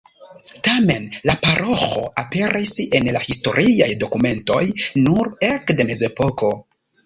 Tamen, la paroĥo aperis en la historiaj dokumentoj nur ekde Mezepoko.